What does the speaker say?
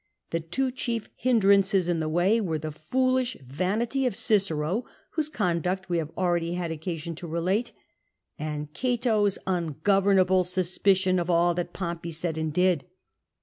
The two chief hindrances in the way were the foolish vanity of Cicero, whose conduct we have already had occasion to relate, and Cato's unconquerable suspicion of all that Pompey said and did.